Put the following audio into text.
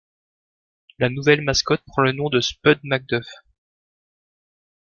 La nouvelle mascotte prend le nom de Spuds McDuff.